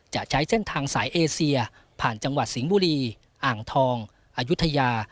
จะใช้เส้นทางสายเอเซียผ่านจังหวัดสิงห์บุรีอ่างทองอายุทยา